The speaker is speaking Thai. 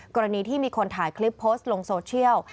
กรณีที่มีคนถ่ายคลิปโพสต์ลงโซเชียล